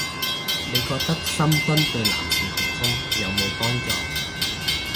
你覺得深蹲對男士雄風有冇幫助